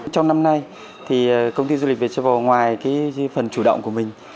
trong năm nay công ty du lịch việt châu âu ngoài phần chủ động của mình